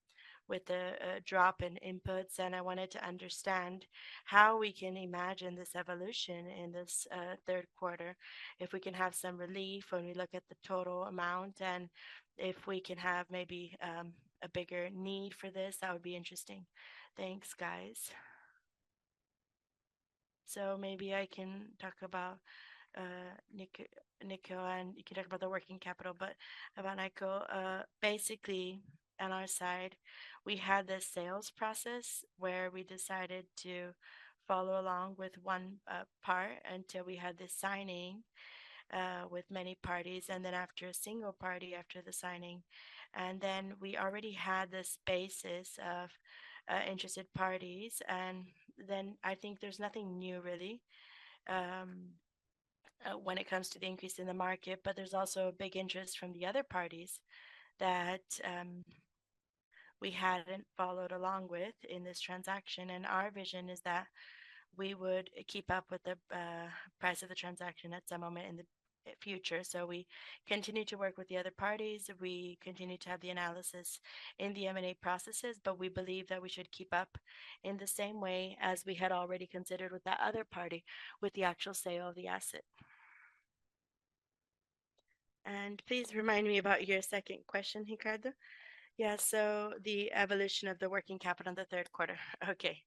with the drop in inputs, and I wanted to understand how we can imagine this evolution in this third quarter, if we can have some relief when we look at the total amount, and if we can have maybe a bigger need for this. That would be interesting. Thanks, guys. So maybe I can talk about nickel, and you can talk about the working capital. But about nickel, basically, on our side, we had this sales process where we decided to follow along with one part until we had the signing with many parties, and then after a single party, after the signing. And then we already had this basis of interested parties. And then I think there's nothing new, really, when it comes to the increase in the market, but there's also a big interest from the other parties that we hadn't followed along with in this transaction. And our vision is that we would keep up with the price of the transaction at some moment in the future. So we continue to work with the other parties. We continue to have the analysis in the M&A processes, but we believe that we should keep up in the same way as we had already considered with the other party, with the actual sale of the asset. And please remind me about your second question, Ricardo. Yeah, so the evolution of the working capital in the third quarter. Okay.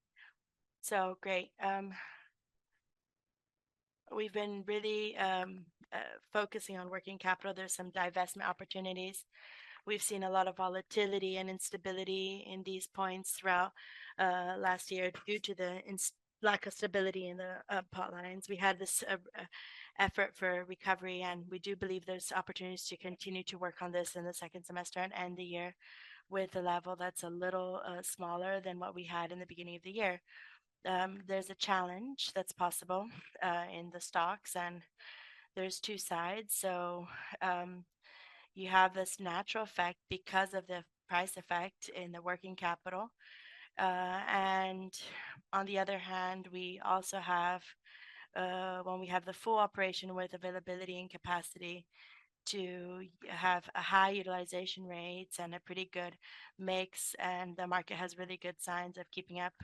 So great, we've been really focusing on working capital. There's some divestment opportunities. We've seen a lot of volatility and instability in these points throughout last year due to the lack of stability in the pot lines. We had this effort for recovery, and we do believe there's opportunities to continue to work on this in the second semester and end the year with a level that's a little smaller than what we had in the beginning of the year. There's a challenge that's possible in the stocks, and there's two sides. So, you have this natural effect because of the price effect in the working capital. On the other hand, we also have, when we have the full operation with availability and capacity to have high utilization rates and a pretty good mix, and the market has really good signs of keeping up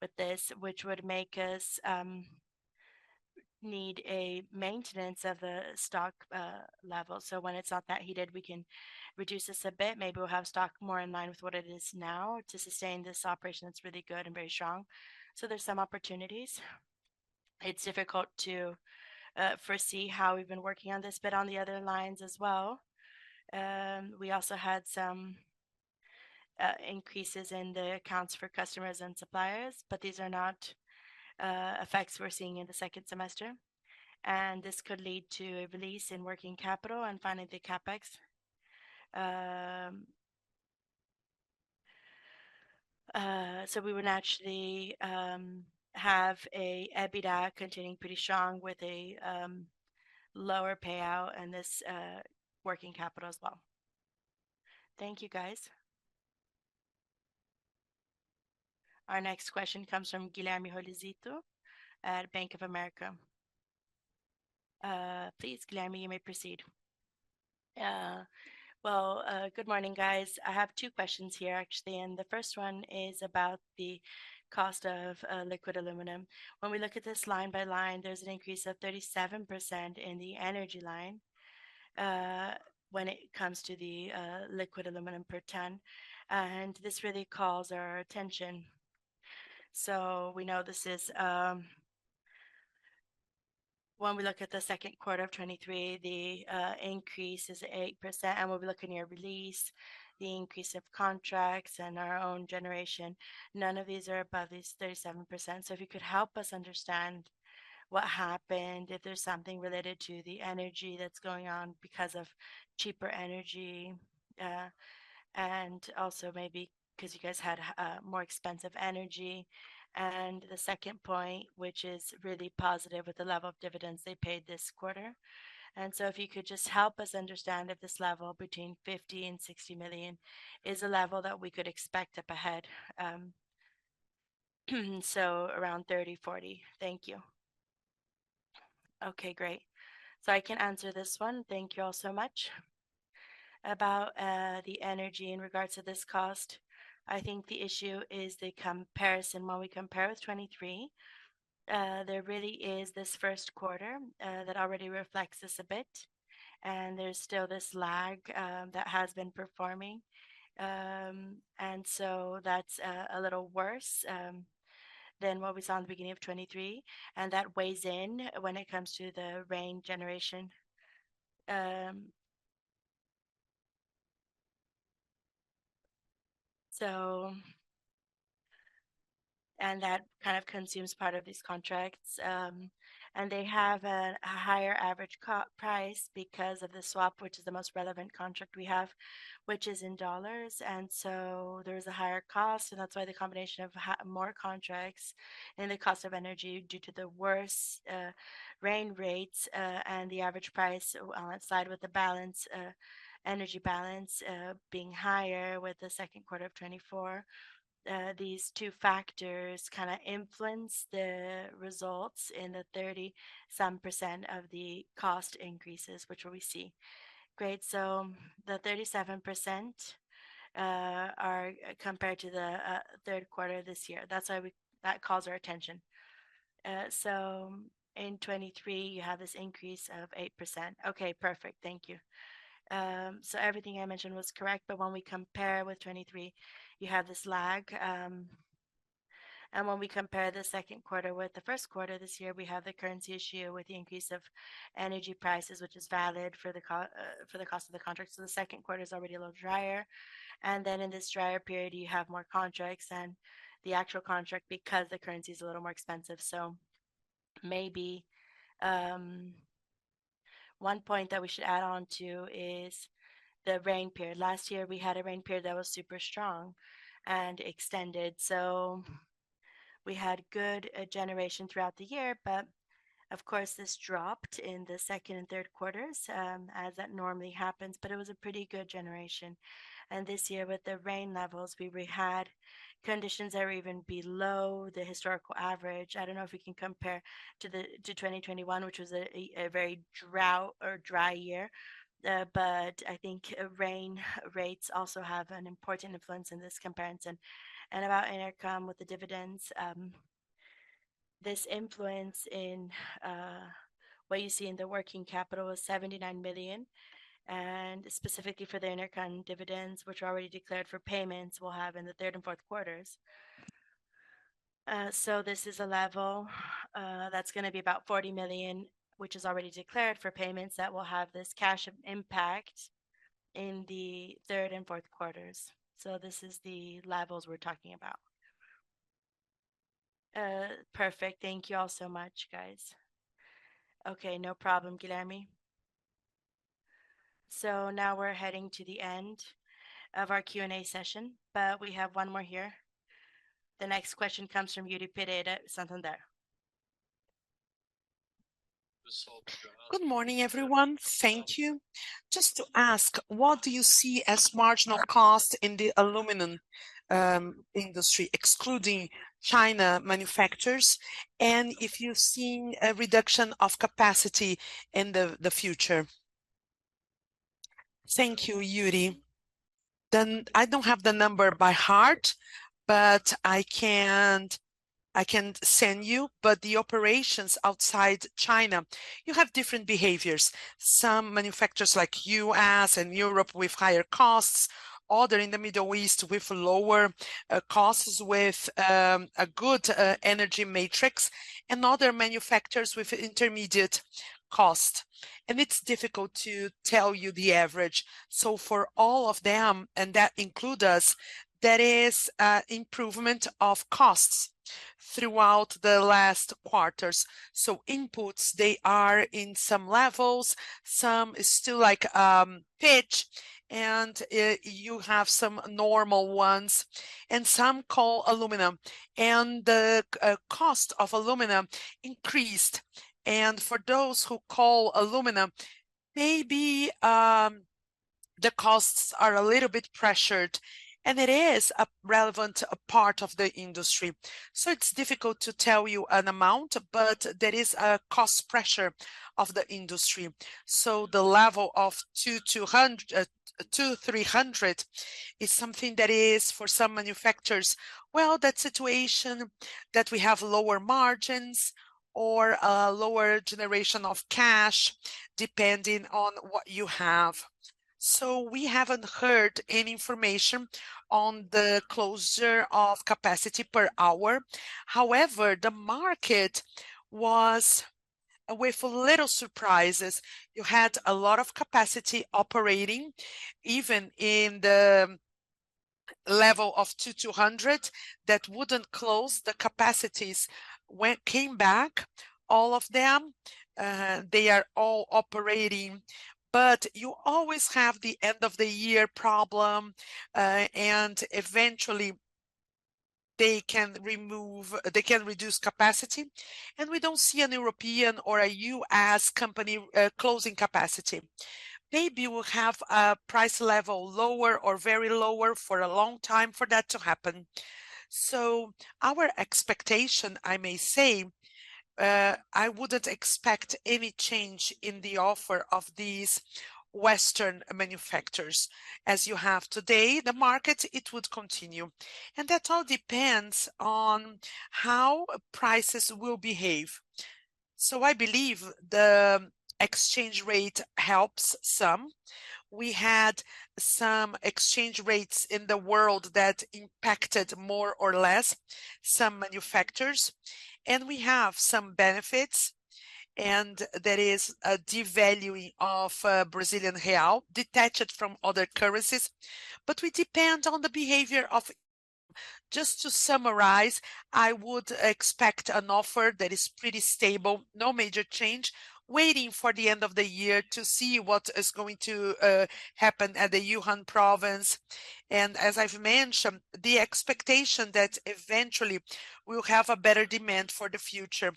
with this, which would make us need a maintenance of the stock level. So when it's not that heated, we can reduce this a bit. Maybe we'll have stock more in line with what it is now to sustain this operation that's really good and very strong. So there's some opportunities. It's difficult to foresee how we've been working on this, but on the other lines as well, we also had some increases in the accounts for customers and suppliers, but these are not effects we're seeing in the second semester, and this could lead to a release in working capital and finally, the CapEx. So we would naturally have a EBITDA continuing pretty strong, with a lower payout and this working capital as well. Thank you, guys. Our next question comes from Guilherme Rosito at Bank of America. Please, Guilherme, you may proceed. Well, good morning, guys. I have two questions here, actually, and the first one is about the cost of liquid aluminum. When we look at this line by line, there's an increase of 37% in the energy line, when it comes to the liquid aluminum per ton, and this really calls our attention. So we know this is... When we look at the second quarter of 2023, the increase is 8%, and we'll be looking at your release, the increase of contracts and our own generation. None of these are above this 37%. So if you could help us understand what happened, if there's something related to the energy that's going on because of cheaper energy, and also maybe because you guys had more expensive energy. The second point, which is really positive, with the level of dividends they paid this quarter. And so if you could just help us understand if this level between 50 million and 60 million is a level that we could expect up ahead, so around 30 to 40 million. Thank you. Okay, great. So I can answer this one. Thank you all so much. About the energy in regards to this cost, I think the issue is the comparison. When we compare with 2023, there really is this first quarter that already reflects this a bit, and there's still this lag that has been performing. And so that's a little worse than what we saw in the beginning of 2023, and that weighs in when it comes to the rain generation. So, and that kind of consumes part of these contracts. They have a higher average core price because of the swap, which is the most relevant contract we have, which is in dollars, and so there is a higher cost, and that's why the combination of more contracts and the cost of energy, due to the worse rain rates, and the average price outside with the balance energy balance being higher with the second quarter of 2024, these two factors kind of influence the results in the 30-some% of the cost increases, which we see. Great, so the 37% are compared to the third quarter of this year, that's why we. That calls our attention. So in 2023, you have this increase of 8%. Okay, perfect. Thank you. So everything I mentioned was correct, but when we compare with 2023, you have this lag. And when we compare the second quarter with the first quarter this year, we have the currency issue with the increase of energy prices, which is valid for the co- for the cost of the contract, so the second quarter is already a little drier. And then, in this drier period, you have more contracts and the actual contract because the currency is a little more expensive. So maybe, one point that we should add on to is the rain period. Last year, we had a rain period that was super strong and extended, so we had good, generation throughout the year. But of course, this dropped in the second and third quarters, as that normally happens, but it was a pretty good generation. This year, with the rain levels, we had conditions that were even below the historical average. I don't know if we can compare to 2021, which was a very drought or dry year, but I think rain rates also have an important influence in this comparison. About Interim with the dividends, this influence in what you see in the working capital was 79 million, and specifically for the Interim dividends, which are already declared for payments, we'll have in the third and fourth quarters. So this is a level that's gonna be about 40 million, which is already declared for payments that will have this cash impact in the third and fourth quarters. So this is the levels we're talking about. Perfect. Thank you all so much, guys. Okay, no problem, Guilherme. Now we're heading to the end of our Q&A session, but we have one more here. The next question comes from Yuri Pereira, Santander. Good morning, everyone. Thank you. Just to ask, what do you see as marginal cost in the aluminum industry, excluding Chinese manufacturers, and if you're seeing a reduction of capacity in the future? Thank you, Yuri. Then, I don't have the number by heart, but I can send you. But the operations outside China, you have different behaviors. Some manufacturers, like U.S. and Europe, with higher costs, other in the Middle East with lower costs, with a good energy matrix, and other manufacturers with intermediate cost, and it's difficult to tell you the average. So for all of them, and that include us, there is a improvement of costs throughout the last quarters. So inputs, they are in some levels. Some is still like pitch, and you have some normal ones and some call aluminum. And the cost of aluminum increased, and for those who call aluminum, maybe the costs are a little bit pressured, and it is a relevant part of the industry. So it's difficult to tell you an amount, but there is a cost pressure of the industry. So the level of $2,200 to $2,300 is something that is, for some manufacturers, well, that situation, that we have lower margins or a lower generation of cash, depending on what you have. So we haven't heard any information on the closure of capacity per hour. However, the market was with little surprises. You had a lot of capacity operating, even in the level of $2,200, that wouldn't close. The capacities went, came back, all of them. They are all operating, but you always have the end-of-the-year problem, and eventually, they can remove, they can reduce capacity, and we don't see a European or a U.S. company, closing capacity. Maybe we'll have a price level, lower or very lower for a long time, for that to happen. So our expectation, I may say, I wouldn't expect any change in the offer of these Western manufacturers. As you have today, the market, it would continue, and that all depends on how prices will behave. So I believe the exchange rate helps some. We had some exchange rates in the world that impacted, more or less, some manufacturers, and we have some benefits, and there is a devaluing of Brazilian Real, detached from other currencies, but we depend on the behavior of... Just to summarize, I would expect an offer that is pretty stable, no major change, waiting for the end of the year to see what is going to happen at the Yunnan Province. As I've mentioned, the expectation that eventually we'll have a better demand for the future.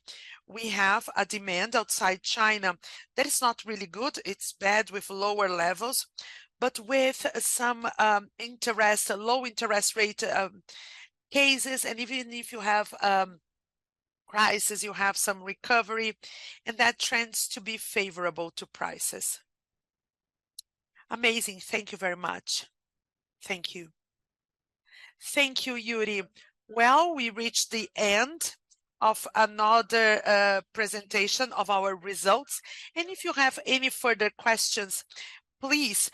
We have a demand outside China that is not really good. It's bad with lower levels, but with some interest, low interest rate cases, and even if you have prices, you have some recovery, and that tends to be favorable to prices. Amazing. Thank you very much. Thank you. Thank you, Yuri. Well, we reached the end of another presentation of our results, and if you have any further questions, please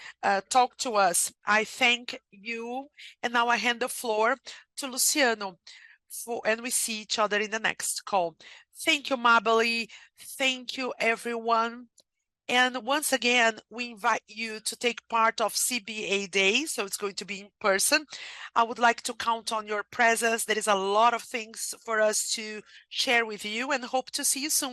talk to us. I thank you, and now I hand the floor to Luciano for- and we see each other in the next call. Thank you, Amábile. Thank you, everyone, and once again, we invite you to take part of CBA Day, so it's going to be in person. I would like to count on your presence. There is a lot of things for us to share with you, and hope to see you soon.